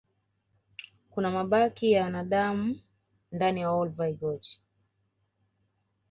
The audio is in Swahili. kuna mabaki ya zamadamu ndani ya olduvai george